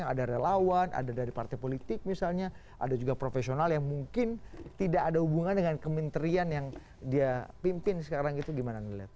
ada relawan ada dari partai politik misalnya ada juga profesional yang mungkin tidak ada hubungan dengan kementerian yang dia pimpin sekarang itu gimana melihat